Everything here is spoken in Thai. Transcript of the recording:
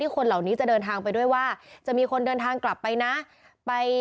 คนเหล่านี้จะเดินทางไปด้วยว่าจะมีคนเดินทางกลับไปนะ